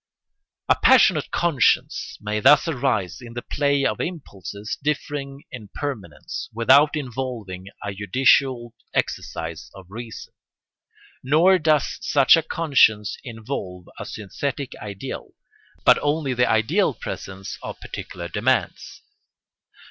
] A passionate conscience may thus arise in the play of impulses differing in permanence, without involving a judicial exercise of reason. Nor does such a conscience involve a synthetic ideal, but only the ideal presence of particular demands.